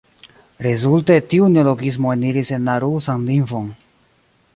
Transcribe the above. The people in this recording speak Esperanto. Rezulte, tiu neologismo eniris en la rusan lingvon.